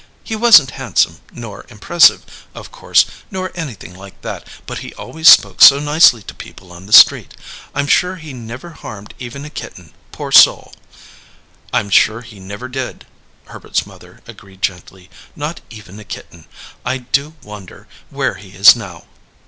"He wasn't handsome, nor impressive, of course, nor anything like that, but he always spoke so nicely to people on the street. I'm sure he never harmed even a kitten, poor soul!" "I'm sure he never did," Herbert's mother agreed gently. "Not even a kitten. I do wonder where he is now."